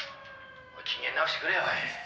機嫌直してくれよおい」